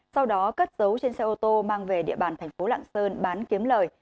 sau đó cất dấu trên xe ô tô mang về địa bàn thành phố lạng sơn bán kiếm lời